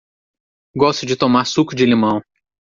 Gosto de tomar suco de limão.